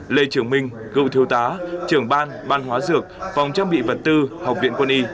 lê trường minh cựu thiếu tá trưởng ban ban hóa dược phòng trang bị vật tư học viện quân y